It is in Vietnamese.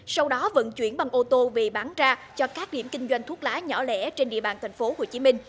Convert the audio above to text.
sau đó vận chuyển bằng ô tô về bán ra cho các điểm kinh doanh thuốc lá nhỏ lẻ trên địa bàn tp hcm